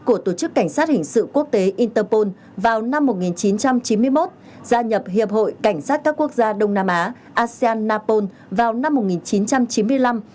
của tổ chức cảnh sát hình sự quốc tế interpol vào năm một nghìn chín trăm chín mươi một gia nhập hiệp hội cảnh sát các quốc gia đông nam á asean napol vào năm một nghìn chín trăm chín mươi năm